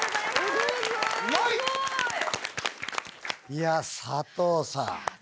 いや佐藤さん。